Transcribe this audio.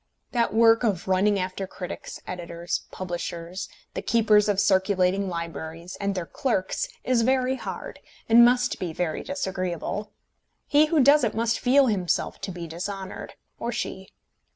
That work of running after critics, editors, publishers, the keepers of circulating libraries, and their clerks, is very hard, and must be very disagreeable. He who does it must feel himself to be dishonoured, or she.